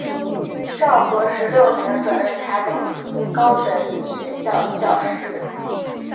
昭和十六年转任台北第一高等女学校教师。